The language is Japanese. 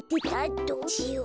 どうしよう。